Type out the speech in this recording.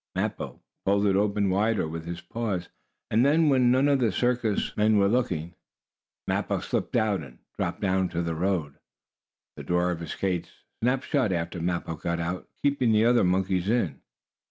Mappo pulled it open wider with his paws, and then, when none of the circus men was looking, Mappo slipped out, and dropped down to the road. The door of his cage snapped shut after Mappo got out, keeping the other monkeys in.